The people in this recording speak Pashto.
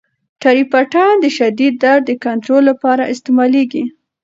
ټریپټان د شدید درد د کنترول لپاره استعمالیږي.